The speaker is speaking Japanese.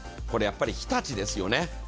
これやっぱり日立ですよね。